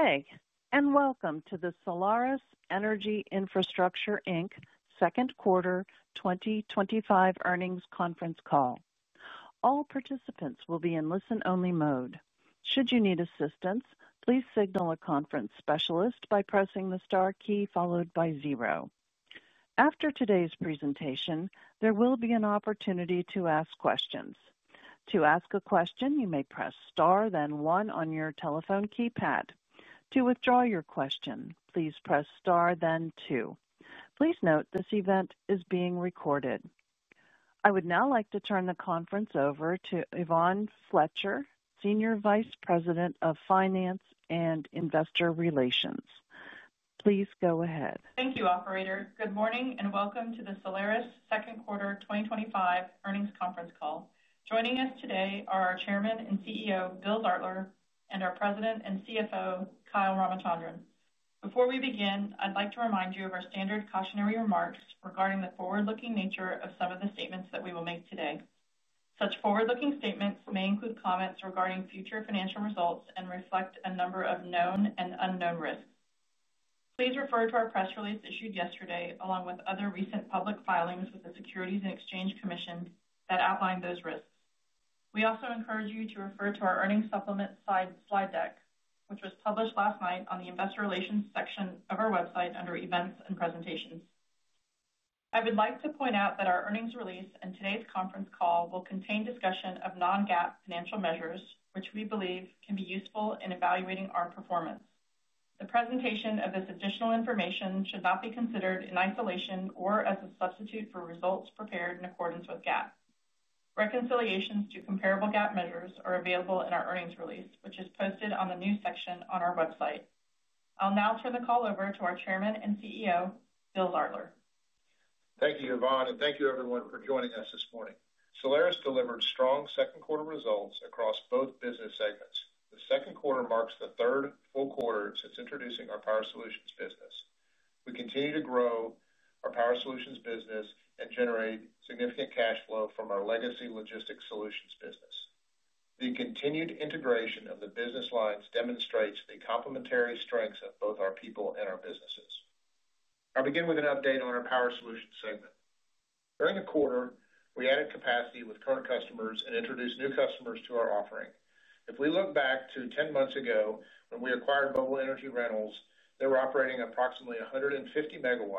Gooday, and welcome to the Solaris Energy Infrastructure Inc. Second Quarter 2025 Earnings Conference Call. All participants will be in listen-only mode. Should you need assistance, please signal a conference specialist by pressing the star key followed by zero. After today's presentation, there will be an opportunity to ask questions. To ask a question, you may press star, then one on your telephone keypad. To withdraw your question, please press star, then two. Please note this event is being recorded. I would now like to turn the conference over to Yvonne Fletcher, Senior Vice President of Finance and Investor Relations. Please go ahead. Thank you, operator. Good morning and welcome to the Solaris Second Quarter 2025 Earnings Conference Call. Joining us today are our Chairman and CEO, Bill Zartler, and our President and CFO, Kyle Ramachandran. Before we begin, I'd like to remind you of our standard cautionary remarks regarding the forward-looking nature of some of the statements that we will make today. Such forward-looking statements may include comments regarding future financial results and reflect a number of known and unknown risks. Please refer to our press release issued yesterday, along with other recent public filings with the Securities and Exchange Commission that outline those risks. We also encourage you to refer to our earnings supplement slide deck, which was published last night on the Investor Relations section of our website under Events and Presentations. I would like to point out that our earnings release and today's conference call will contain discussion of non-GAAP financial measures, which we believe can be useful in evaluating our performance. The presentation of this additional information should not be considered in isolation or as a substitute for results prepared in accordance with GAAP. Reconciliations to comparable GAAP measures are available in our earnings release, which is posted on the news section on our website. I'll now turn the call over to our Chairman and CEO, Bill Zartler. Thank you, Yvonne, and thank you everyone for joining us this morning. Solaris delivered strong second quarter results across both business segments. The second quarter marks the third full quarter since introducing our Power Solutions business. We continue to grow our Power Solutions business and generate significant cash flow from our legacy Logistics Solutions business. The continued integration of the business lines demonstrates the complementary strengths of both our people and our businesses. I'll begin with an update on our Power Solutions segment. During the quarter, we added capacity with current customers and introduced new customers to our offering. If we look back to 10 months ago, when we acquired Mobile Energy Rentals, they were operating approximately 150 MW.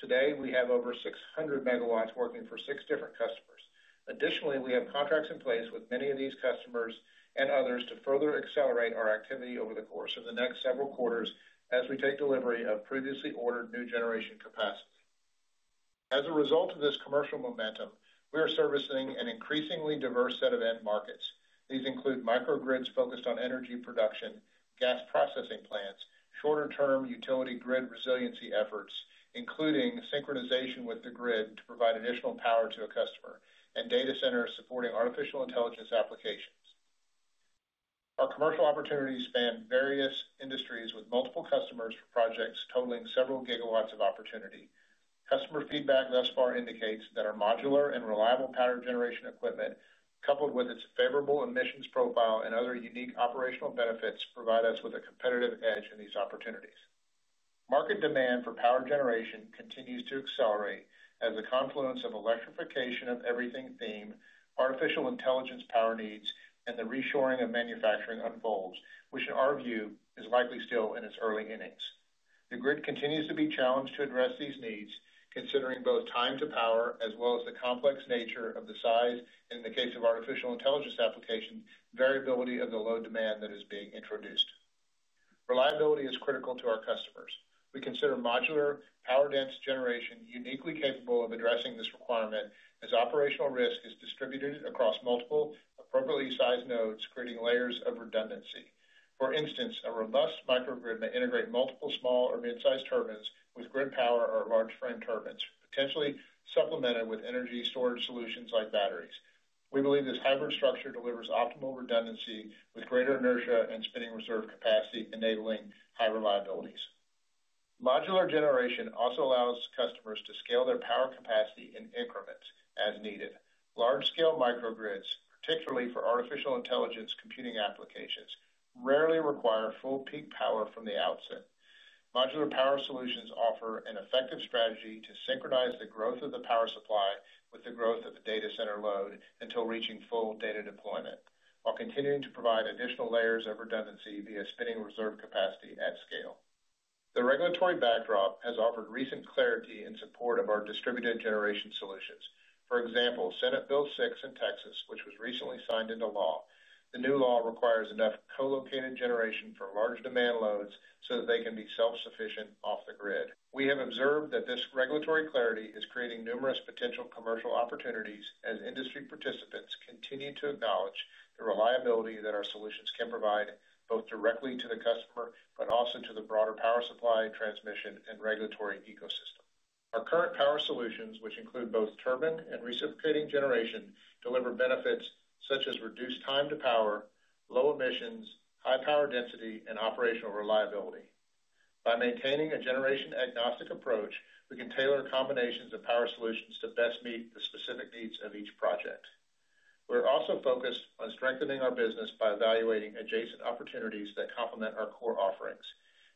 Today, we have over 600 MW working for six different customers. Additionally, we have contracts in place with many of these customers and others to further accelerate our activity over the course of the next several quarters as we take delivery of previously ordered new generation capacity. As a result of this commercial momentum, we are servicing an increasingly diverse set of end markets. These include microgrids focused on energy production, gas processing plants, shorter-term utility grid resiliency efforts, including synchronization with the grid to provide additional power to a customer, and data centers supporting artificial intelligence applications. Our commercial opportunities span various industries with multiple customers for projects totaling several gigawatts of opportunity. Customer feedback thus far indicates that our modular and reliable power generation equipment, coupled with its favorable emissions profile and other unique operational benefits, provide us with a competitive edge in these opportunities. Market demand for power generation continues to accelerate as a confluence of electrification of everything theme, artificial intelligence power needs, and the reshoring of manufacturing unfolds, which in our view is likely still in its early innings. The grid continues to be challenged to address these needs, considering both time to power as well as the complex nature of the size, and in the case of artificial intelligence applications, the variability of the load demand that is being introduced. Reliability is critical to our customers. We consider modular, power-dense generation uniquely capable of addressing this requirement as operational risk is distributed across multiple appropriately sized nodes, creating layers of redundancy. For instance, a robust microgrid may integrate multiple small or mid-sized turbines with grid power or large frame turbines, potentially supplemented with energy storage solutions like batteries. We believe this hybrid structure delivers optimal redundancy with greater inertia and spinning reserve capacity, enabling high reliabilities. Modular generation also allows customers to scale their power capacity in increments as needed. Large-scale microgrids, particularly for AI-driven data center demand, rarely require full peak power from the outset. Modular power solutions offer an effective strategy to synchronize the growth of the power supply with the growth of the data center load until reaching full data deployment, while continuing to provide additional layers of redundancy via spinning reserve capacity at scale. The regulatory backdrop has offered recent clarity in support of our distributed generation solutions. For example, Senate Bill 6 in Texas, which was recently signed into law. The new law requires enough co-locating generation for large demand loads so that they can be self-sufficient off the grid. We have observed that this regulatory clarity is creating numerous potential commercial opportunities as industry participants continue to acknowledge the reliability that our solutions can provide both directly to the customer and also to the broader power supply transmission and regulatory ecosystem. Our current Power Solutions, which include both turbine and reciprocating generation, deliver benefits such as reduced time to power, low emissions, high power density, and operational reliability. By maintaining a generation-agnostic approach, we can tailor combinations of power solutions to best meet the specific needs of each project. We're also focused on strengthening our business by evaluating adjacent opportunities that complement our core offerings.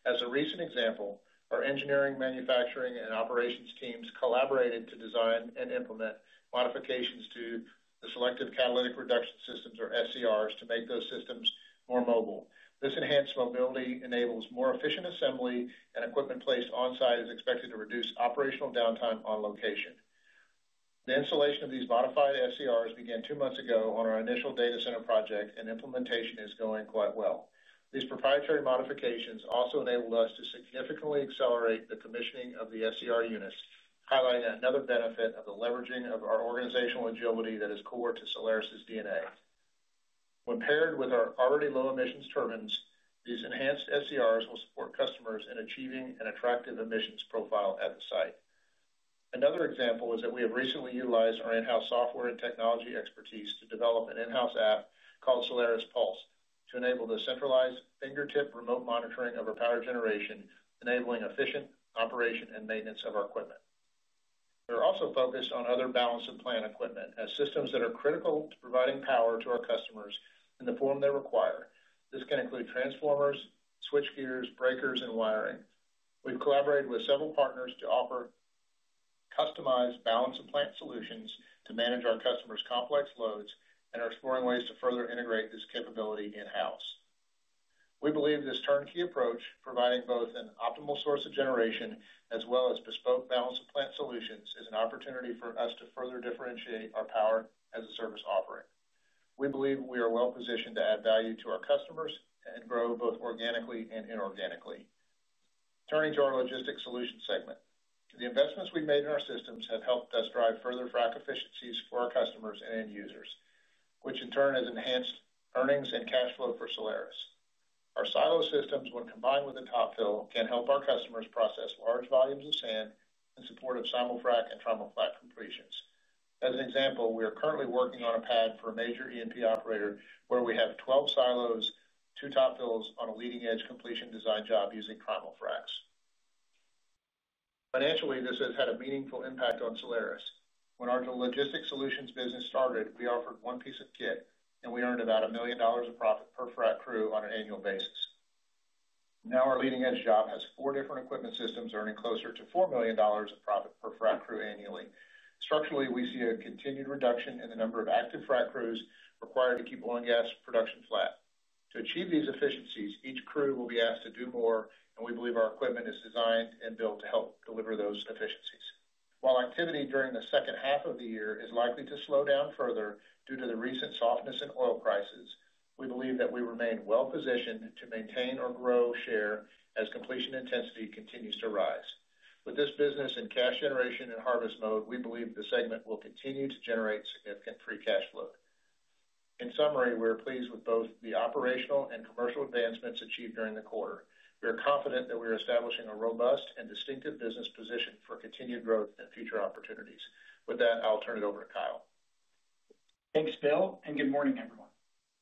As a recent example, our engineering, manufacturing, and operations teams collaborated to design and implement modifications to the mobile Selective Catalytic Reduction systems or SCRs to make those systems more mobile. This enhanced mobility enables more efficient assembly, and equipment placed on-site is expected to reduce operational downtime on location. The installation of these modified SCRs began two months ago on our initial data center project, and implementation is going quite well. These proprietary modifications also enabled us to significantly accelerate the commissioning of the SCR units, highlighting another benefit of the leveraging of our organizational agility that is core to Solaris's DNA. When paired with our already low-emissions turbines, these enhanced SCRs will support customers in achieving an attractive emissions profile at the site. Another example is that we have recently utilized our in-house software and technology expertise to develop an in-house app called Solaris Pulse to enable the centralized fingertip remote monitoring of our power generation, enabling efficient operation and maintenance of our equipment. We're also focused on other balance of plant equipment and systems that are critical to providing power to our customers in the form they require. This can include transformers, switchgears, breakers, and wiring. We've collaborated with several partners to offer customized balance of plant solutions to manage our customers' complex loads and are exploring ways to further integrate this capability in-house. We believe this turnkey approach, providing both an optimal source of generation as well as bespoke balance of plant solutions, is an opportunity for us to further differentiate our power as a service offering. We believe we are well-positioned to add value to our customers and grow both organically and inorganically. Turning to our Logistics Solutions segment. The investments we've made in our systems have helped us drive further frac efficiencies for our customers and end users, which in turn has enhanced earnings and cash flow for Solaris. Our silo systems, when combined with a top fill, can help our customers process large volumes of sand in support of simul-frac and trimul-frac completions. As an example, we are currently working on a pad for a major E&P operator where we have 12 silos, two top fills on a leading-edge completion design job using trimul-fracs. Financially, this has had a meaningful impact on Solaris. When our Logistics Solutions business started, we offered one piece of kit, and we earned about $1 million of profit per frac crew on an annual basis. Now our leading-edge job has four different equipment systems earning closer to $4 million of profit per frac crew annually. Structurally, we see a continued reduction in the number of active frac crews required to keep oil and gas production flat. To achieve these efficiencies, each crew will be asked to do more, and we believe our equipment is designed and built to help deliver those efficiencies. While activity during the second half of the year is likely to slow down further due to the recent softness in oil prices, we believe that we remain well-positioned to maintain or grow share as completion intensity continues to rise. With this business in cash generation and harvest mode, we believe the segment will continue to generate significant free cash flow. In summary, we are pleased with both the operational and commercial advancements achieved during the quarter. We are confident that we are establishing a robust and distinctive business position for continued growth and future opportunities. With that, I'll turn it over to Kyle. Thanks, Bill, and good morning, everyone.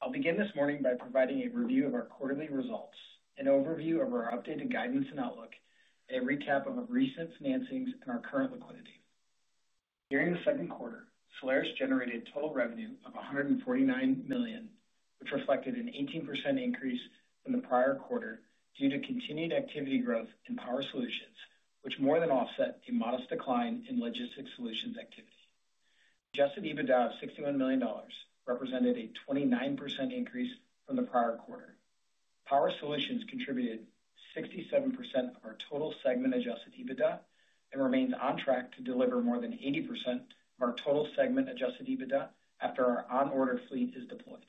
I'll begin this morning by providing a review of our quarterly results, an overview of our updated guidance and outlook, and a recap of our recent financings and our current liquidity. During the second quarter, Solaris generated a total revenue of $149 million, which reflected an 18% increase from the prior quarter due to continued activity growth in Power Solutions, which more than offset a modest decline in Logistics Solutions activity. Adjusted EBITDA of $61 million represented a 29% increase from the prior quarter. Power Solutions contributed 67% of our total segment Adjusted EBITDA and remains on track to deliver more than 80% of our total segment Adjusted EBITDA after our on-order fleet is deployed.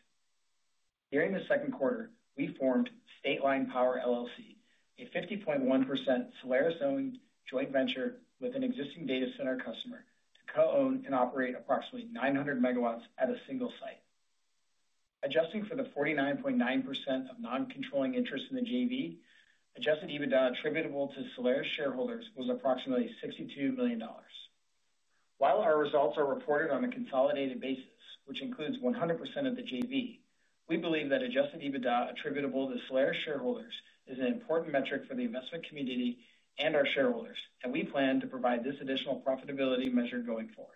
During the second quarter, we formed Stateline Power LLC, a 50.1% Solaris-owned joint venture with an existing data center customer to co-own and operate approximately 900 MW at a single site. Adjusting for the 49.9% of non-controlling interest in the JV, Adjusted EBITDA attributable to Solaris shareholders was approximately $62 million. While our results are reported on a consolidated basis, which includes 100% of the JV, we believe that Adjusted EBITDA attributable to Solaris shareholders is an important metric for the investment community and our shareholders, and we plan to provide this additional profitability measure going forward.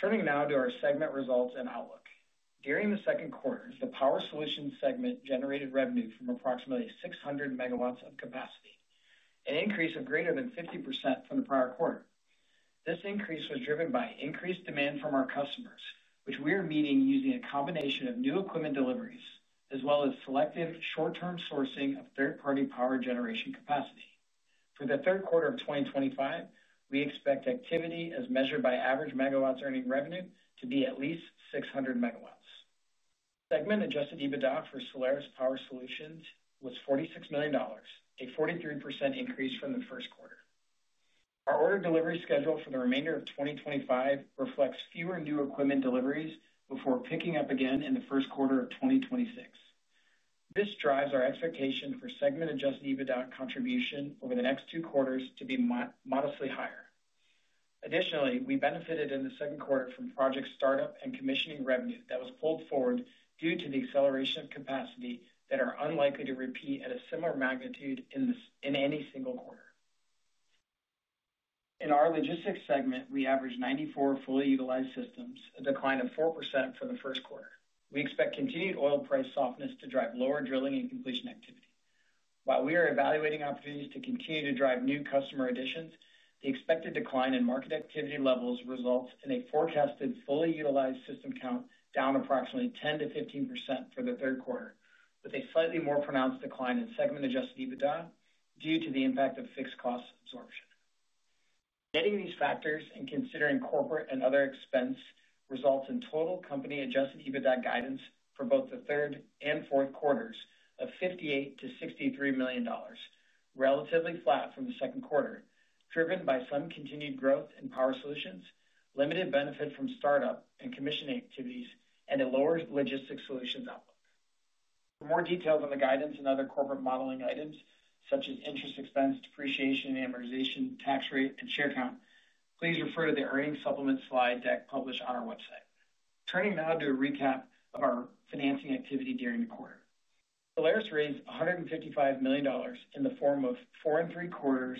Turning now to our segment results and outlook. During the second quarter, the Power Solutions segment generated revenue from approximately 600 MW of capacity, an increase of greater than 50% from the prior quarter. This increase was driven by increased demand from our customers, which we are meeting using a combination of new equipment deliveries as well as selective short-term sourcing of third-party power generation capacity. For the third quarter of 2025, we expect activity, as measured by average MW earning revenue, to be at least 600 MW. Segment Adjusted EBITDA for Solaris Power Solutions was $46 million, a 43% increase from the first quarter. Our order delivery schedule for the remainder of 2025 reflects fewer and new equipment deliveries before picking up again in the first quarter of 2026. This drives our expectation for segment Adjusted EBITDA contribution over the next two quarters to be modestly higher. Additionally, we benefited in the second quarter from project startup and commissioning revenue that was pulled forward due to the acceleration of capacity that are unlikely to repeat at a similar magnitude in any single quarter. In our Logistics Solutions segment, we averaged 94 fully utilized systems, a decline of 4% from the first quarter. We expect continued oil price softness to drive lower drilling and completion activity. While we are evaluating opportunities to continue to drive new customer additions, the expected decline in market activity levels results in a forecasted fully utilized system count down approximately 10%-15% for the third quarter, with a slightly more pronounced decline in segment Adjusted EBITDA due to the impact of fixed cost absorption. Getting these factors and considering corporate and other expense results in total company Adjusted EBITDA guidance for both the third and fourth quarters of $58 million-$63 million, relatively flat from the second quarter, driven by some continued growth in Power Solutions, limited benefit from startup and commission activities, and a lower Logistics Solutions outlook. For more details on the guidance and other corporate modeling items, such as interest expense, depreciation and amortization, tax rate, and share count, please refer to the Earnings Supplement slide deck published on our website. Turning now to a recap of our financing activity during the quarter. Solaris raised $155 million in the form of 4.75%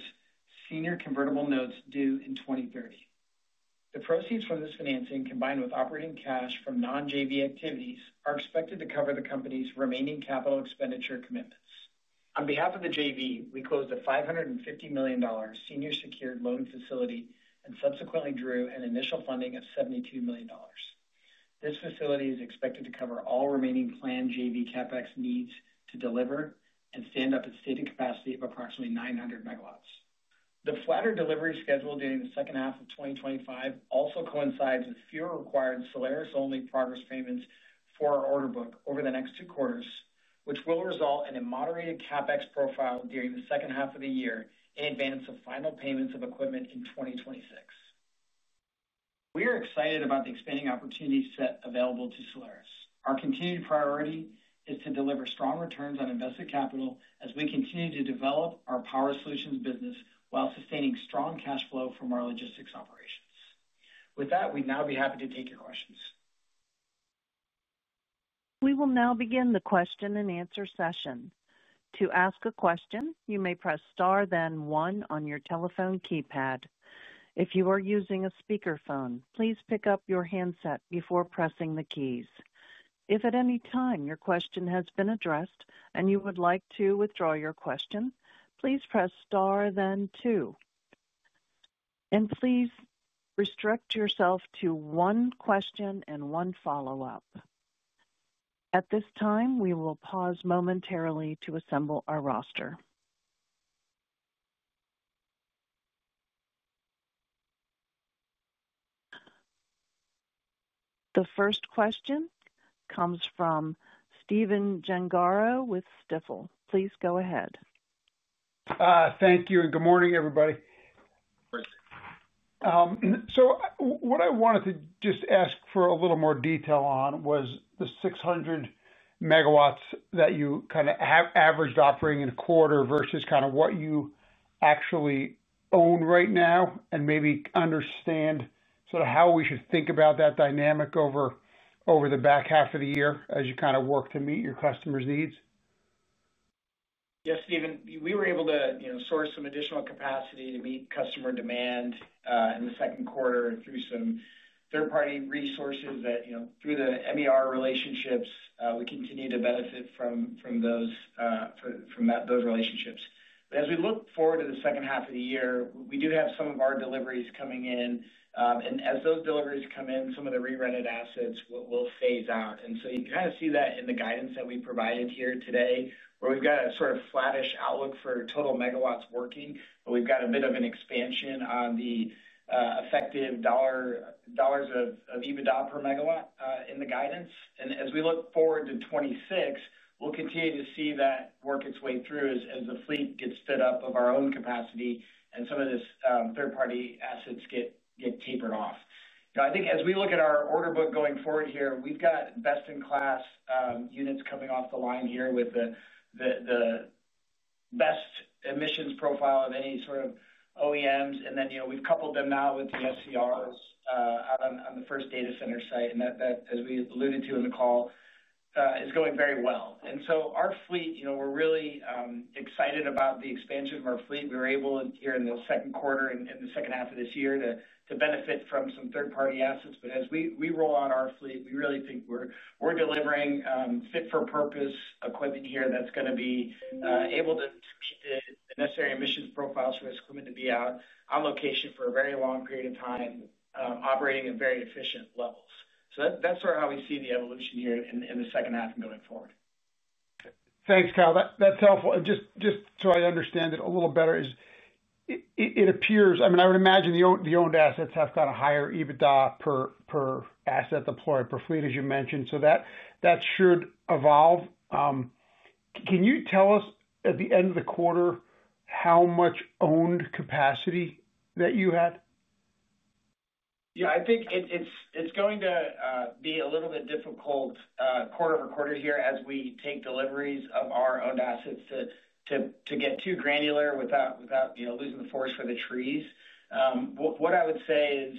senior convertible notes due in 2030. The proceeds from this financing, combined with operating cash from non-JV activities, are expected to cover the company's remaining capital expenditure commitments. On behalf of the JV, we closed a $550 million senior secured loan facility and subsequently drew an initial funding of $72 million. This facility is expected to cover all remaining planned JV CapEx needs to deliver and stand up a stated capacity of approximately 900 MW. The flatter delivery schedule during the second half of 2025 also coincides with fewer required Solaris-only progress payments for our order book over the next two quarters, which will result in a moderated CapEx profile during the second half of the year in advance of final payments of equipment in 2026. We are excited about the expanding opportunity set available to Solaris. Our continued priority is to deliver strong returns on invested capital as we continue to develop our Power Solutions business while sustaining strong cash flow from our logistics operations. With that, we'd now be happy to take your questions. We will now begin the question and answer session. To ask a question, you may press star, then one on your telephone keypad. If you are using a speakerphone, please pick up your handset before pressing the keys. If at any time your question has been addressed and you would like to withdraw your question, please press star, then two, and please restrict yourself to one question and one follow-up. At this time, we will pause momentarily to assemble our roster. The first question comes from Stephen Gengaro with Stifel. Please go ahead. Thank you and good morning, everybody. I wanted to just ask for a little more detail on the 600 MW that you kind of averaged operating in a quarter versus what you actually own right now, and maybe understand how we should think about that dynamic over the back half of the year as you work to meet your customers' needs. Yes, Stephen. We were able to source some additional capacity to meet customer demand in the second quarter through some third-party resources that, you know, through the MER relationships, we continue to benefit from those relationships. As we look forward to the second half of the year, we do have some of our deliveries coming in, and as those deliveries come in, some of the re-rented assets will phase out. You can kind of see that in the guidance that we provided here today where we've got a sort of flattish outlook for total megawatts working, but we've got a bit of an expansion on the affected dollars of EBITDA per megawatt in the guidance. As we look forward to 2026, we'll continue to see that work its way through as the fleet gets fed up of our own capacity and some of these third-party assets get tapered off. I think as we look at our order book going forward here, we've got best-in-class units coming off the line here with the best emissions profile of any sort of OEMs. We've coupled them now with the SCRs out on the first data center site, and that, as we alluded to in the call, is going very well. Our fleet, you know, we're really excited about the expansion of our fleet. We were able here in the second quarter and the second half of this year to benefit from some third-party assets. As we roll out our fleet, we really think we're delivering fit-for-purpose equipment here that's going to be able to meet the necessary emissions profiles for this equipment to be out on location for a very long period of time, operating at very efficient levels. That's sort of how we see the evolution here in the second half and going forward. Thanks, Kyle. That's helpful. Just so I understand it a little better, it appears, I mean, I would imagine the owned assets have got a higher EBITDA per asset deployed per fleet, as you mentioned. That should evolve. Can you tell us at the end of the quarter how much owned capacity that you had? Yeah, I think it's going to be a little bit difficult quarter-over-quarter here as we take deliveries of our owned assets to get too granular without, you know, losing the forest for the trees. What I would say is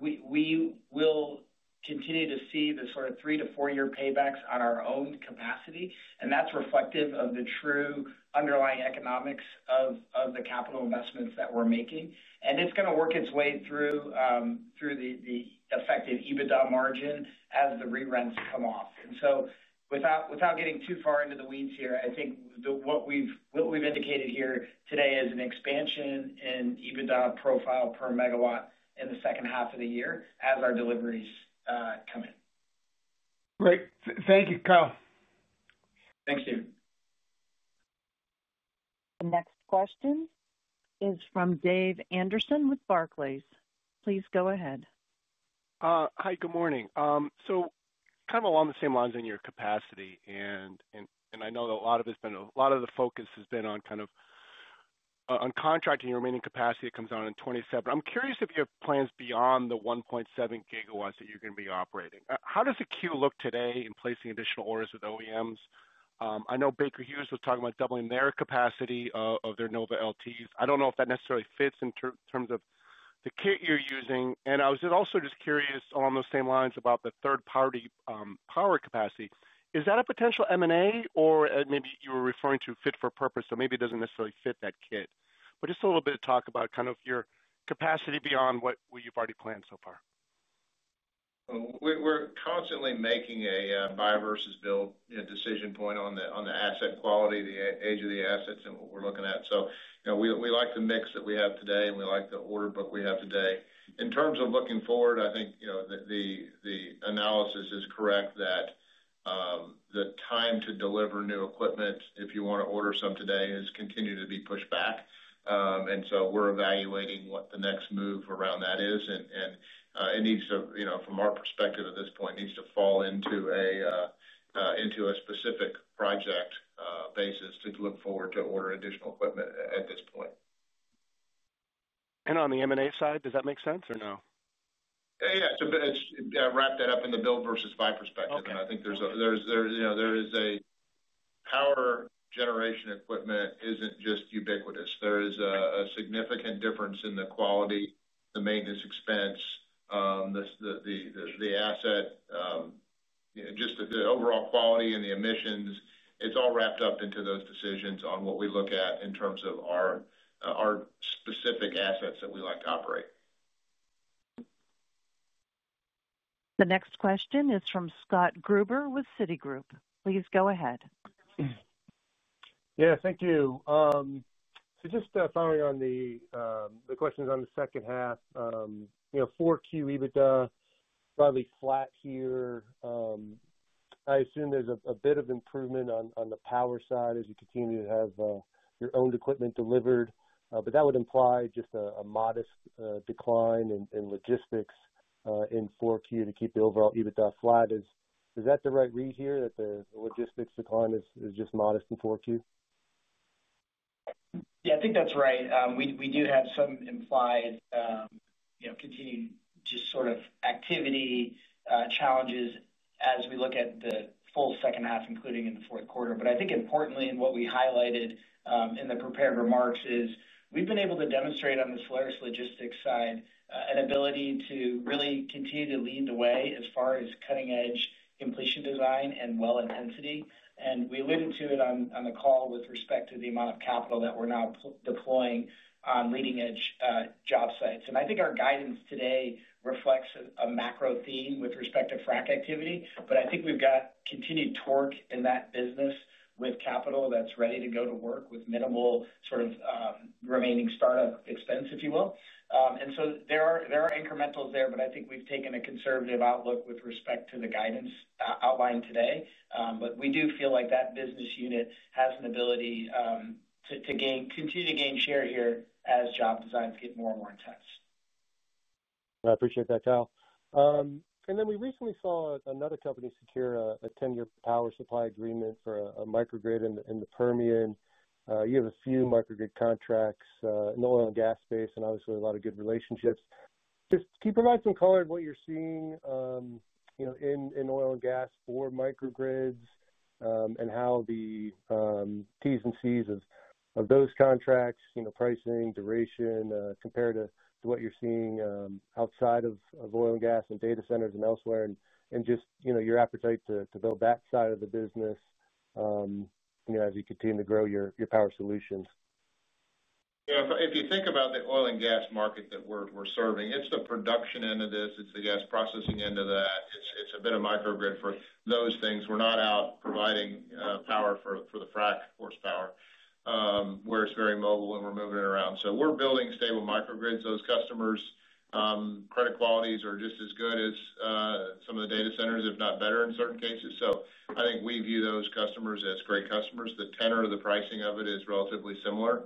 we will continue to see the sort of three to four-year paybacks on our owned capacity, and that's reflective of the true underlying economics of the capital investments that we're making. It's going to work its way through the effective EBITDA margin as the re-rent comes off. Without getting too far into the weeds here, I think what we've indicated here today is an expansion in EBITDA profile per megawatt in the second half of the year as our deliveries come in. Great. Thank you, Kyle. Thanks, Stephen. The next question is from Dave Anderson with Barclays. Please go ahead. Hi, good morning. Kind of along the same lines in your capacity, and I know that a lot of the focus has been on contracting your remaining capacity that comes on in 2027. I'm curious if you have plans beyond the 1.7 GW that you're going to be operating. How does the queue look today in placing additional orders with OEMs? I know Baker Hughes was talking about doubling their capacity of their NovaLT. I don't know if that necessarily fits in terms of the kit you're using. I was also just curious along those same lines about the third-party power capacity. Is that a potential M&A? Or maybe you were referring to fit for purpose, so maybe it doesn't necessarily fit that kit, but just a little bit of talk about your capacity beyond what you've already planned so far. We're constantly making a buy versus build decision point on the asset quality, the age of the assets, and what we're looking at. We like the mix that we have today, and we like the order book we have today. In terms of looking forward, I think the analysis is correct that the time to deliver new equipment, if you want to order some today, is continuing to be pushed back. We're evaluating what the next move around that is. It needs to, from our perspective at this point, fall into a specific project basis to look forward to order additional equipment at this point. On the M&A side, does that make sense or no? Yeah. I wrapped that up in the build versus buy perspective. I think there is, you know, power generation equipment isn't just ubiquitous. There is a significant difference in the quality, the maintenance expense, the asset, just the overall quality and the emissions. It's all wrapped up into those decisions on what we look at in terms of our specific assets that we like to operate. The next question is from Scott Gruber with Citigroup. Please go ahead. Thank you. Just following on the questions on the second half, you know, Q4 EBITDA probably flat here. I assume there's a bit of improvement on the power side as you continue to have your owned equipment delivered, but that would imply just a modest decline in logistics in Q4 to keep the overall EBITDA flat. Is that the right read here that the logistics decline is just modest in Q4? Yeah, I think that's right. We do have some implied, you know, continued just sort of activity challenges as we look at the full second half, including in the fourth quarter. I think importantly in what we highlighted in the prepared remarks is we've been able to demonstrate on the Solaris logistics side an ability to really continue to lead the way as far as cutting-edge completion design and well-intensity. We alluded to it on the call with respect to the amount of capital that we're now deploying on leading-edge job sites. I think our guidance today reflects a macro theme with respect to frac activity. I think we've got continued torque in that business with capital that's ready to go to work with minimal sort of remaining startup expense, if you will. There are incrementals there, but I think we've taken a conservative outlook with respect to the guidance outlined today. We do feel like that business unit has an ability to continue to gain share here as job designs get more and more intense. I appreciate that, Kyle. We recently saw another company secure a 10-year power supply agreement for a microgrid in the Permian. You have a few microgrid contracts in the oil and gas space and obviously a lot of good relationships. Can you provide some color to what you're seeing in oil and gas for microgrids and how the Ts and Cs of those contracts, pricing, duration compared to what you're seeing outside of oil and gas and data centers and elsewhere, and your appetite to build that side of the business as you continue to grow your Power Solutions. Yeah, if you think about the oil and gas market that we're serving, it's the production end of this. It's the gas processing end of that. It's a bit of microgrid for those things. We're not out providing power for the frac horsepower where it's very mobile and we're moving it around. We're building stable microgrids. Those customers' credit qualities are just as good as some of the data centers, if not better in certain cases. I think we view those customers as great customers. The tenor of the pricing of it is relatively similar.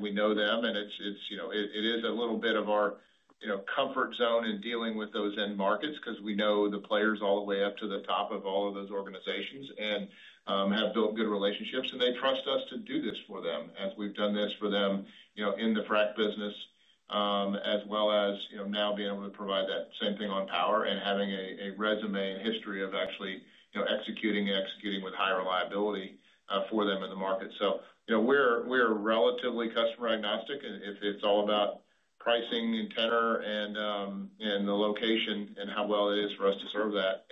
We know them, and it's, you know, it is a little bit of our, you know, comfort zone in dealing with those end markets because we know the players all the way up to the top of all of those organizations and have built good relationships, and they trust us to do this for them. As we've done this for them in the frac business, as well as now being able to provide that same thing on power and having a resume and history of actually executing and executing with high reliability for them in the market. We're relatively customer agnostic, and if it's all about pricing and tenor and the location and how well it is for us to serve that.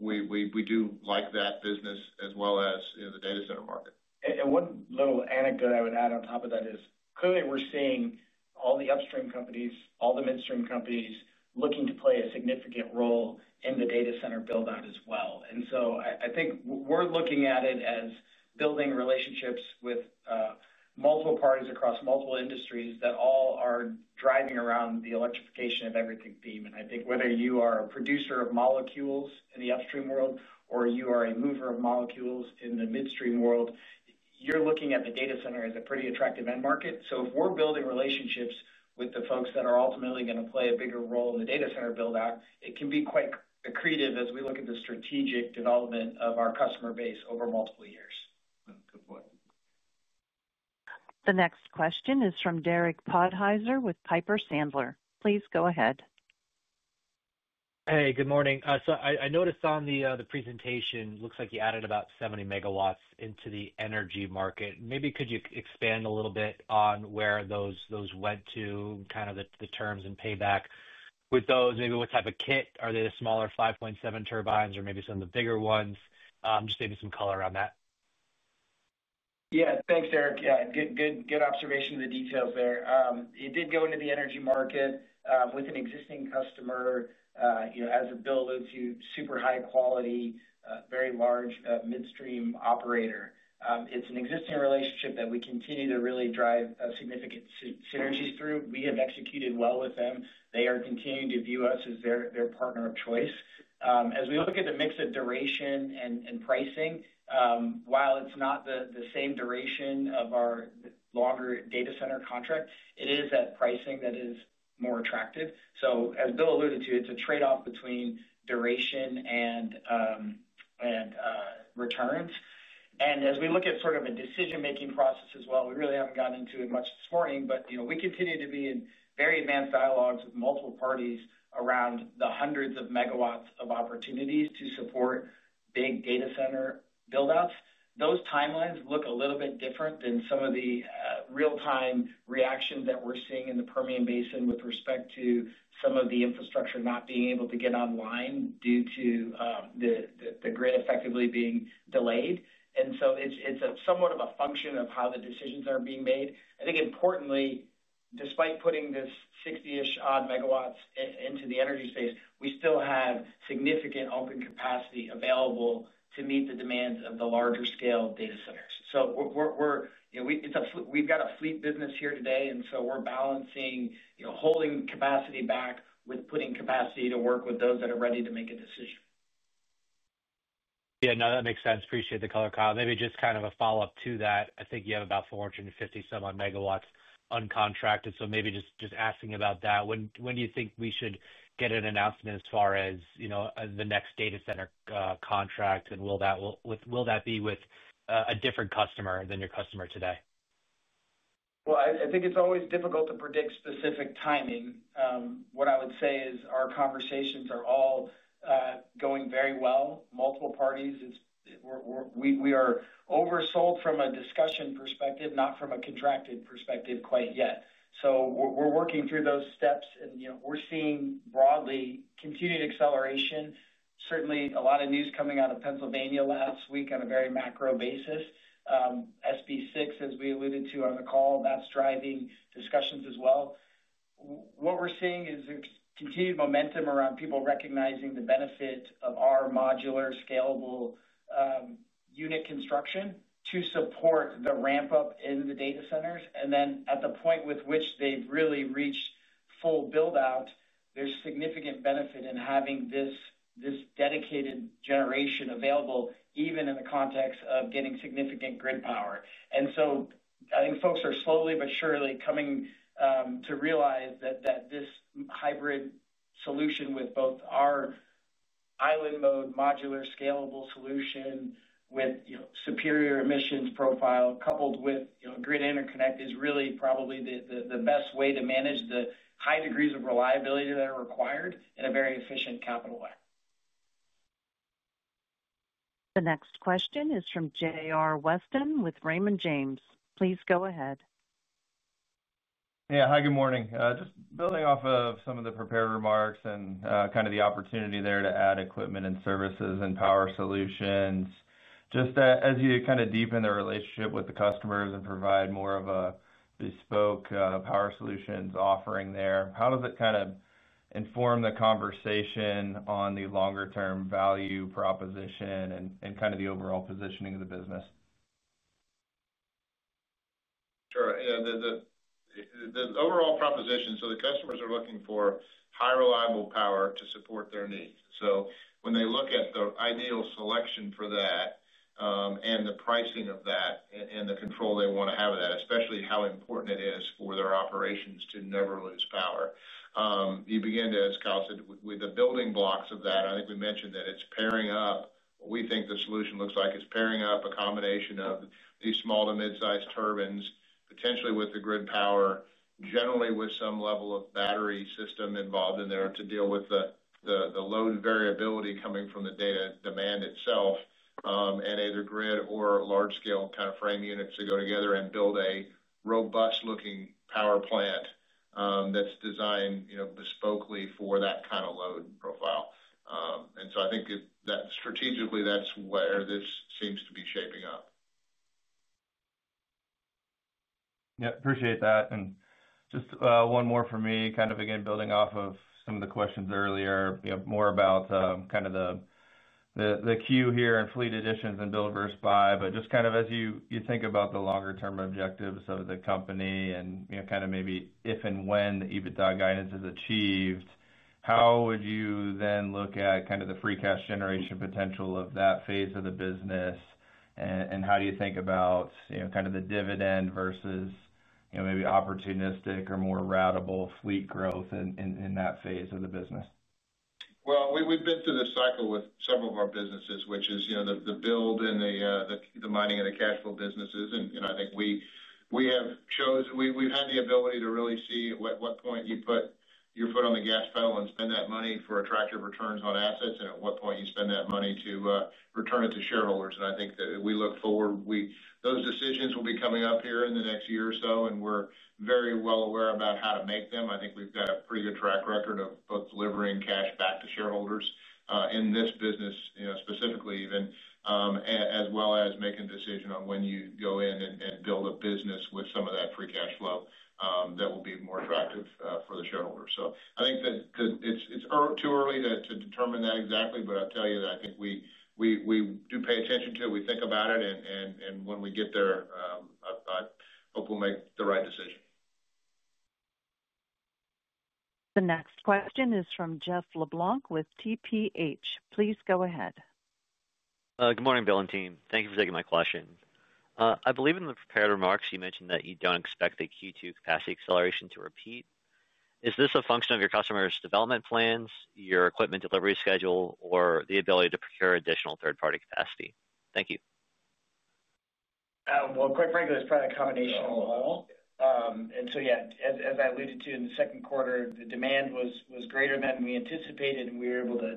We do like that business as well as the data center market. One little anecdote I would add on top of that is clearly we're seeing all the upstream companies, all the midstream companies looking to play a significant role in the data center build-out as well. I think we're looking at it as building relationships with multiple parties across multiple industries that all are driving around the electrification of everything beam. I think whether you are a producer of molecules in the upstream world or you are a mover of molecules in the midstream world, you're looking at the data center as a pretty attractive end market. If we're building relationships with the folks that are ultimately going to play a bigger role in the data center build-out, it can be quite creative as we look at the strategic development of our customer base over multiple years. Good point. The next question is from Derek Podhaizer with Piper Sandler. Please go ahead. Good morning. I noticed on the presentation, it looks like you added about 70 MW into the energy market. Could you expand a little bit on where those went to, kind of the terms and payback with those? What type of kit? Are they the smaller 5.7 turbines or some of the bigger ones? Maybe some color around that. Yeah, thanks, Derek. Good observation of the details there. It did go into the energy market with an existing customer, as it builds into super high quality, very large midstream operator. It's an existing relationship that we continue to really drive significant synergies through. We have executed well with them. They are continuing to view us as their partner of choice. As we look at the mix of duration and pricing, while it's not the same duration of our longer data center contract, it is that pricing that is more attractive. As Bill alluded to, it's a trade-off between duration and recurrence. As we look at sort of a decision-making process as well, we really haven't gotten into it much this morning, but we continue to be in very advanced dialogues with multiple parties around the hundreds of megawatts of opportunities to support big data center build-outs. Those timelines look a little bit different than some of the real-time reactions that we're seeing in the Permian Basin with respect to some of the infrastructure not being able to get online due to the grid effectively being delayed. It's somewhat of a function of how the decisions are being made. I think importantly, despite putting this 60-ish oddmegawatts into the energy space, we still have significant open capacity available to meet the demands of the larger scale data centers. We've got a fleet business here today, and we're balancing holding capacity back with putting capacity to work with those that are ready to make a decision. Yeah, no, that makes sense. Appreciate the color, Kyle. Maybe just kind of a follow-up to that. I think you have about 450 some odd megawatts uncontracted. Maybe just asking about that. When do you think we should get an announcement as far as, you know, the next data center contract? Will that be with a different customer than your customer today? I think it's always difficult to predict specific timing. What I would say is our conversations are all going very well. Multiple parties, we are oversold from a discussion perspective, not from a contracted perspective quite yet. We're working through those steps, and we're seeing broadly continued acceleration. Certainly, a lot of news coming out of Pennsylvania last week on a very macro basis. SB 6, as we alluded to on the call, that's driving discussions as well. What we're seeing is continued momentum around people recognizing the benefit of our modular, scalable unit construction to support the ramp-up in the data centers. At the point with which they've really reached full build-out, there's significant benefit in having this dedicated generation available, even in the context of getting significant grid power. I think folks are slowly but surely coming to realize that this hybrid solution with both our island mode, modular, scalable solution with superior emissions profile coupled with grid interconnect is really probably the best way to manage the high degrees of reliability that are required in a very efficient capital way. The next question is from J.R. Weston with Raymond James. Please go ahead. Yeah, hi, good morning. Just building off of some of the prepared remarks and the opportunity there to add equipment and services and power solutions, as you deepen the relationship with the customers and provide more of a bespoke power solutions offering there, how does it inform the conversation on the longer-term value proposition and the overall positioning of the business? Sure. Yeah, the overall proposition, the customers are looking for high reliable power to support their needs. When they look at the ideal selection for that and the pricing of that and the control they want to have of that, especially how important it is for their operations to never lose power, you begin to, as Kyle said, with the building blocks of that. I think we mentioned that it's pairing up what we think the solution looks like. It's pairing up a combination of these small to mid-sized turbines, potentially with the grid power, generally with some level of battery system involved in there to deal with the load variability coming from the data demand itself, and either grid or large-scale kind of frame units that go together and build a robust-looking power plant that's designed, you know, bespokely for that kind of load profile. I think that strategically, that's where this seems to be shaping up. Yeah, appreciate that. Just one more for me, kind of again building off of some of the questions earlier, more about the queue here and fleet additions and build versus buy. Just as you think about the longer-term objectives of the company and maybe if and when the EBITDA guidance is achieved, how would you then look at the free cash generation potential of that phase of the business? How do you think about the dividend versus maybe opportunistic or more routable fleet growth in that phase of the business? Wll, we've been through this cycle with some of our businesses, which is, you know, the build and the mining of the cash flow businesses. I think we have chosen, we've had the ability to really see at what point you put your foot on the gas pedal and spend that money for attractive returns on assets and at what point you spend that money to return it to shareholders. I think that we look forward, those decisions will be coming up here in the next year or so, and we're very well aware about how to make them. I think we've got a pretty good track record of both delivering cash back to shareholders in this business, you know, specifically even, as well as making a decision on when you go in and build a business with some of that free cash flow that will be more attractive for the shareholders. I think that it's too early to determine that exactly, but I'll tell you that I think we do pay attention to it. We think about it, and when we get there, I hope we'll make the right decision. The next question is from Jeff LeBlanc with TPH. Please go ahead. Good morning, Bill and team. Thank you for taking my question. I believe in the prepared remarks, you mentioned that you don't expect the Q2 capacity acceleration to repeat. Is this a function of your customer's development plans, your equipment delivery schedule, or the ability to procure additional third-party capacity? Thank you. Well, quite frankly, it's probably a combination of all. As I alluded to in the second quarter, the demand was greater than we anticipated, and we were able to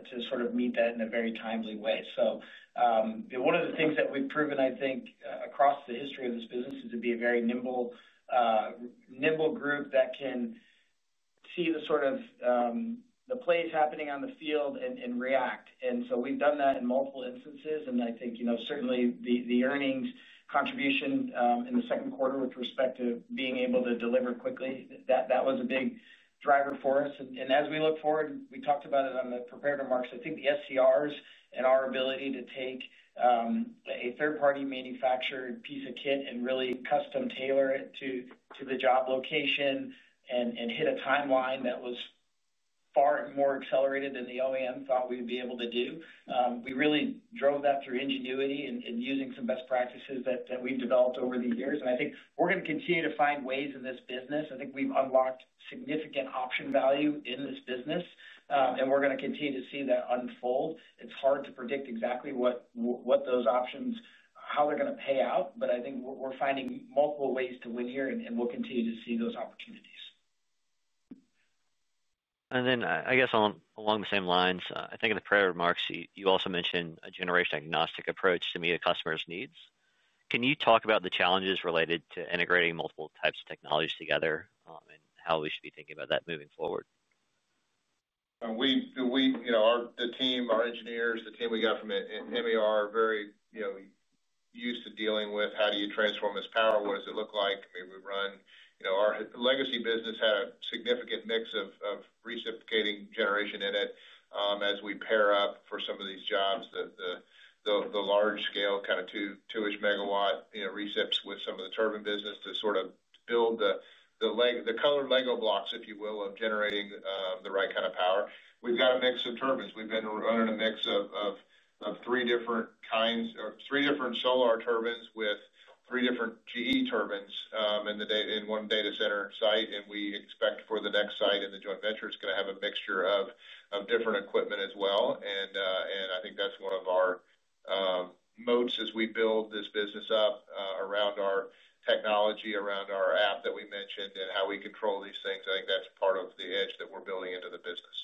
meet that in a very timely way. One of the things that we've proven, I think, across the history of this business is to be a very nimble group that can see the plays happening on the field and react. We've done that in multiple instances. I think certainly the earnings contribution in the second quarter with respect to being able to deliver quickly, that was a big driver for us. As we look forward, we talked about it on the prepared remarks. I think the SCRs and our ability to take a third-party manufactured piece of kit and really custom tailor it to the job location and hit a timeline that was far more accelerated than the OEM thought we'd be able to do. We really drove that through ingenuity and using some best practices that we've developed over the years. I think we're going to continue to find ways in this business. I think we've unlocked significant option value in this business, and we're going to continue to see that unfold. It's hard to predict exactly what those options, how they're going to pay out, but I think we're finding multiple ways to win here, and we'll continue to see those opportunities. I guess along the same lines, I think in the prior remarks, you also mentioned a generation-agnostic approach to meet a customer's needs. Can you talk about the challenges related to integrating multiple types of technologies together and how we should be thinking about that moving forward? The team, our engineers, the team we got from MER are very used to dealing with how do you transform this power? What does it look like? We would run, our legacy business had a significant mix of reciprocating generation in it. As we pair up for some of these jobs, the large-scale kind of two-ish megawatt reciprocating with some of the turbine business to build the color LEGO blocks, if you will, on generating the right kind of power. We've got a mix of turbines. We've been running a mix of three different kinds of three different Solar Turbines with three different GE turbines in one data center site. We expect for the next site in the joint ventures to have a mixture of different equipment as well. I think that's one of our modes as we build this business up around our technology, around our app that we mentioned, and how we control these things. I think that's part of the edge that we're building into the business.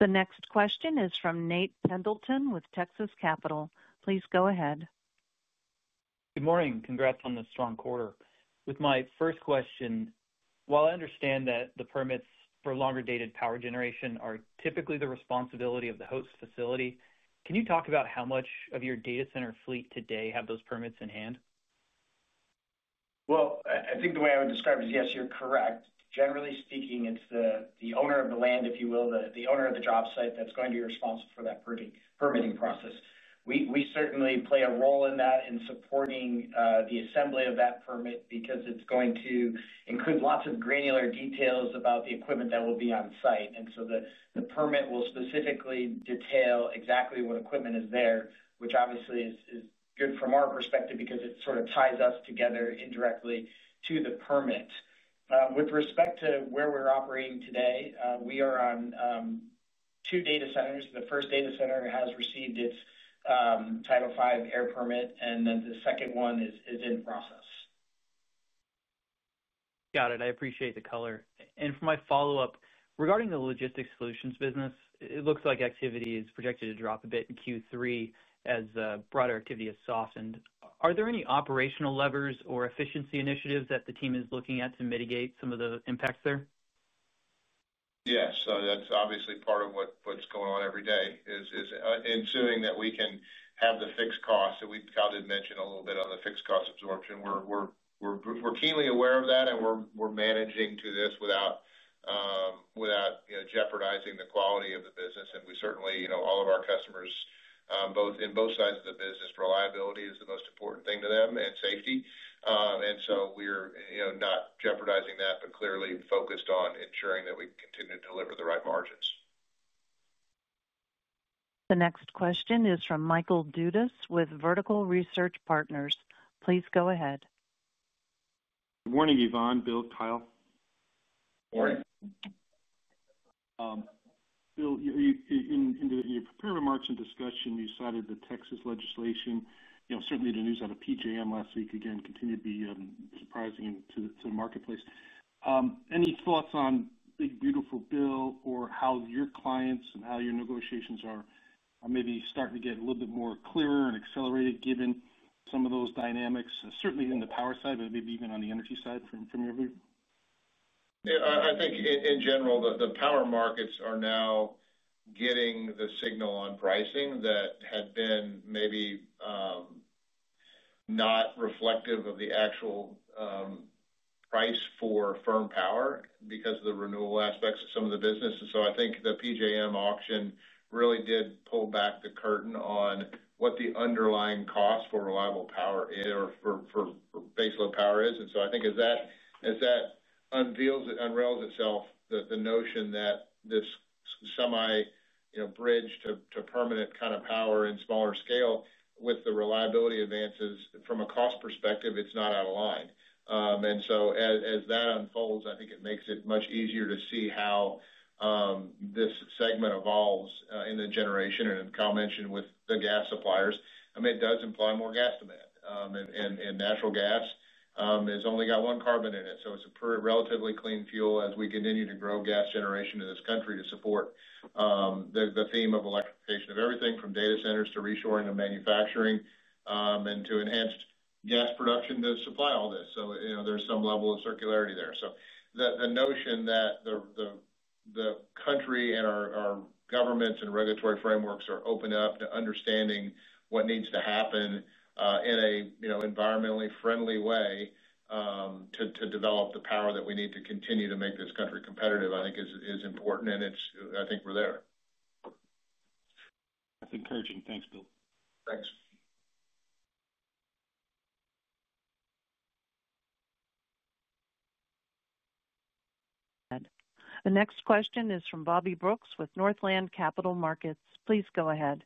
The next question is from Nate Pendleton with Texas Capital. Please go ahead. Good morning. Congrats on the strong quarter. With my first question, while I understand that the permits for longer-dated power generation are typically the responsibility of the host facility, can you talk about how much of your data center fleet today have those permits in hand? Well, I think the way I would describe it is, yes, you're correct. Generally speaking, it's the owner of the land, if you will, the owner of the job site that's going to be responsible for that permitting process. We certainly play a role in that in supporting the assembly of that permit because it's going to include lots of granular details about the equipment that will be on site. The permit will specifically detail exactly what equipment is there, which obviously is good from our perspective because it sort of ties us together indirectly to the permit. With respect to where we're operating today, we are on two data centers. The first data center has received its Title V air permit, and the second one is in process. Got it. I appreciate the color. For my follow-up, regarding the Logistics Solutions business, it looks like activity is projected to drop a bit in Q3 as broader activity has softened. Are there any operational levers or efficiency initiatives that the team is looking at to mitigate some of the impacts there? Yes, so that's obviously part of what's going on every day, ensuring that we can have the fixed costs that we, Kyle did mention a little bit on the fixed cost absorption. We're keenly aware of that, and we're managing through this without jeopardizing the quality of the business. We certainly, all of our customers, both in both sides of the business, reliability is the most important thing to them and safety. We're not jeopardizing that, but clearly focused on ensuring that we continue to deliver the right margins. The next question is from Michael Dudas with Vertical Research Partners. Please go ahead. Good morning, Yvonne, Bill, Kyle. Morning. Morning. Bill, in your prepared remarks and discussion, you cited the Texas legislation. Certainly, the news out of PJM last week again continued to be surprising to the marketplace. Any thoughts on Big Beautiful Bill or how your clients and how your negotiations are maybe starting to get a little bit more clearer and accelerated given some of those dynamics, certainly in the power side, but maybe even on the energy side from your view? Yeah, I think in general, the power markets are now getting the signal on pricing that had been maybe not reflective of the actual price for firm power because of the renewal aspects of some of the business. I think the PJM auction really did pull back the curtain on what the underlying cost for reliable power is or for baseload power is. As that unveils, it unravels itself, the notion that this semi, you know, bridge to permanent kind of power in smaller scale with the reliability advances from a cost perspective, it's not out of line. As that unfolds, I think it makes it much easier to see how this segment evolves in the generation. As Kyle mentioned with the gas suppliers, it does imply more gas demand. Natural gas has only got one carbon in it, so it's a relatively clean fuel as we continue to grow gas generation in this country to support the theme of electrification of everything from data centers to reshoring of manufacturing and to enhanced gas production to supply all this. There's some level of circularity there. The notion that the country and our governments and regulatory frameworks are open up to understanding what needs to happen in an environmentally friendly way to develop the power that we need to continue to make this country competitive, I think is important. I think we're there. That's encouraging. Thanks, Bill. Thanks. The next question is from Bobby Brooks with Northland Capital Markets. Please go ahead.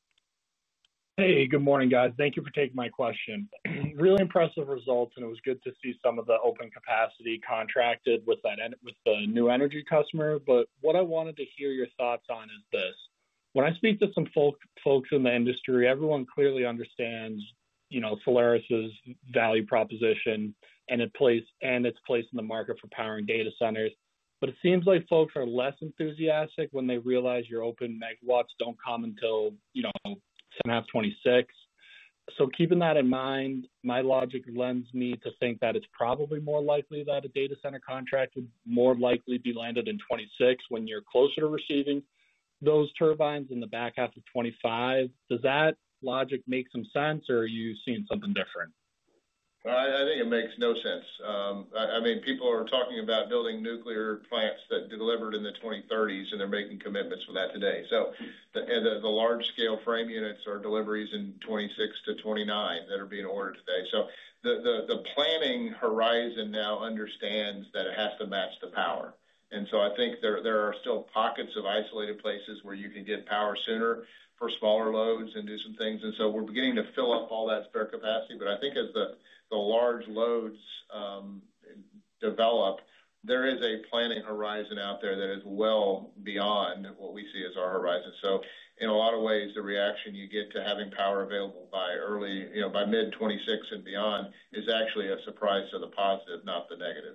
Hey, good morning, guys. Thank you for taking my question. Really impressive results, and it was good to see some of the open capacity contracted with the new energy customer. What I wanted to hear your thoughts on is this. When I speak to some folks in the industry, everyone clearly understands, you know, Solaris 's value proposition and its place in the market for power and data centers. It seems like folks are less enthusiastic when they realize your open megawatts don't come until, you know, second half 2026. Keeping that in mind, my logic lends me to think that it's probably more likely that a data center contract would more likely be landed in 2026 when you're closer to receiving those turbines in the back half of 2025. Does that logic make some sense, or are you seeing something different? I think it makes no sense. I mean, people are talking about building nuclear plants that are delivered in the 2030s, and they're making commitments for that today. The large-scale frame units are deliveries in 2026 to 2029 that are being ordered today. The planning horizon now understands that it has to match the power. I think there are still pockets of isolated places where you can get power sooner for smaller loads and do some things. We're beginning to fill up all that spare capacity. I think as the large loads develop, there is a planning horizon out there that is well beyond what we see as our horizon. In a lot of ways, the reaction you get to having power available by early, you know, by mid 2026 and beyond is actually a surprise to the positive, not the negative.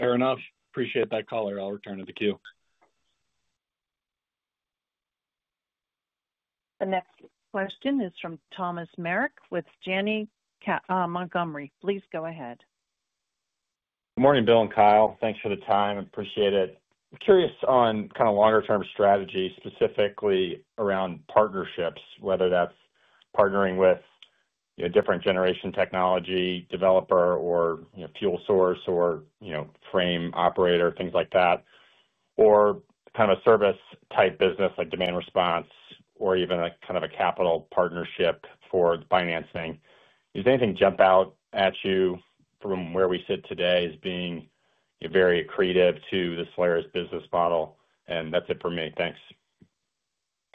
Fair enough. Appreciate that color. I'll return to the queue. The next question is from Thomas Meric with Janney Montgomery. Please go ahead. Good morning, Bill and Kyle. Thanks for the time. I appreciate it. I'm curious on kind of longer-term strategies, specifically around partnerships, whether that's partnering with, you know, different generation technology developer or, you know, fuel source or, you know, frame operator, things like that, or kind of a service-type business like demand response or even a kind of a capital partnership for the financing. Does anything jump out at you from where we sit today as being very creative to the Solaris business model? That's it for me. Thanks.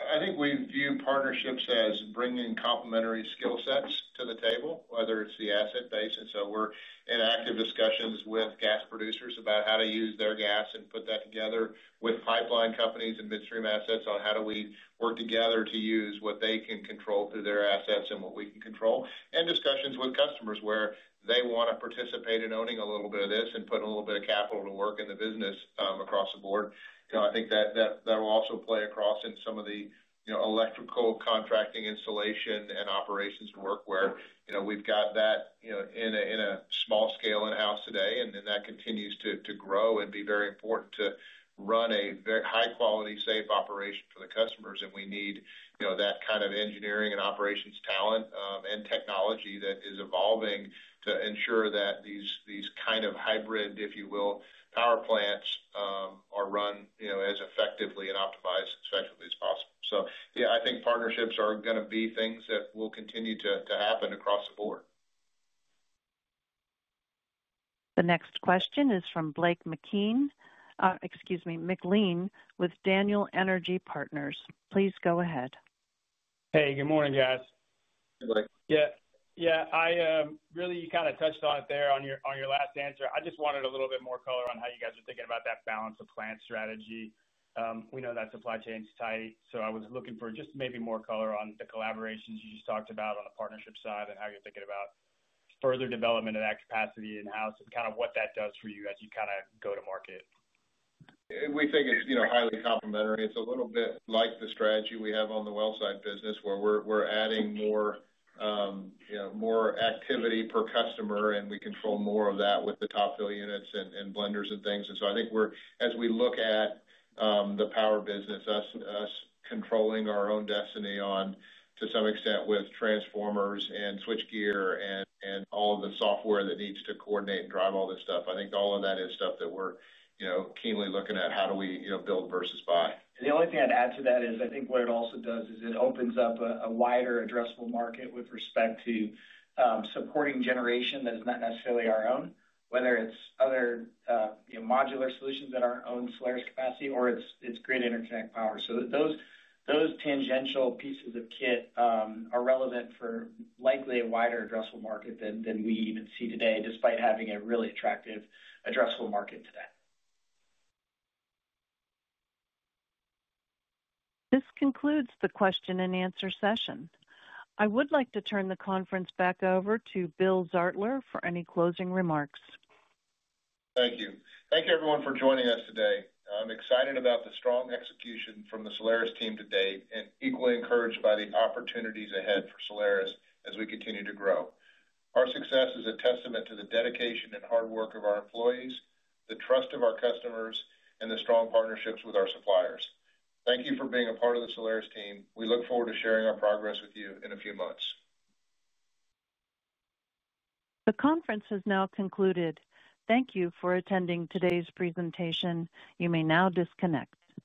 I think we view partnerships as bringing complementary skill sets to the table, whether it's the asset base. We're in active discussions with gas producers about how to use their gas and put that together with pipeline companies and midstream assets on how we work together to use what they can control through their assets and what we can control. Discussions with customers where they want to participate in owning a little bit of this and put a little bit of capital to work in the business across the board. I think that will also play across in some of the electrical contracting installation and operations work where we've got that in a small scale in-house today, and that continues to grow and be very important to run a very high-quality, safe operation for the customers. We need that kind of engineering and operations talent and technology that is evolving to ensure that these kind of hybrid, if you will, power plants are run as effectively and optimized as effectively as possible. I think partnerships are going to be things that will continue to happen across the board. The next question is from Blake McLean with Daniel Energy Partners. Please go ahead. Hey, good morning, guys. Hey, Blake. You kind of touched on it there on your last answer. I just wanted a little bit more color on how you guys are thinking about that balance of plant strategy. We know that supply chain's tight. I was looking for just maybe more color on the collaborations you just talked about on the partnership side and how you're thinking about further development of that capacity in-house and kind of what that does for you as you go to market. We think it's highly complementary. It's a little bit like the strategy we have on the well side business where we're adding more activity per customer, and we control more of that with the top fill units and blenders and things. As we look at the power business, us controlling our own destiny, to some extent, with transformers and switch gear and all the software that needs to coordinate and drive all this stuff, I think all of that is stuff that we're keenly looking at, how do we build versus buy. The only thing I'd add to that is I think what it also does is it opens up a wider addressable market with respect to supporting generation that is not necessarily our own, whether it's other, you know, modular solutions in our own Solaris capacity or it's grid interconnect power. Those tangential pieces of kit are relevant for likely a wider addressable market than we even see today, despite having a really attractive addressable market today. This concludes the question and answer session. I would like to turn the conference back over to Bill Zartler for any closing remarks. Thank you. Thank you, everyone, for joining us today. I'm excited about the strong execution from the Solaris team today and equally encouraged by the opportunities ahead for Solaris as we continue to grow. Our success is a testament to the dedication and hard work of our employees, the trust of our customers, and the strong partnerships with our suppliers. Thank you for being a part of the Solaris team. We look forward to sharing our progress with you in a few months. The conference has now concluded. Thank you for attending today's presentation. You may now disconnect.